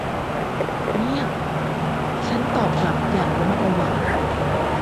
เงียบ ฉันตอบกลับอย่างระมัดระวัง